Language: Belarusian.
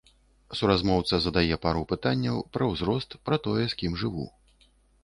Суразмоўца задае пару пытанняў, пра ўзрост, пра тое, з кім жыву.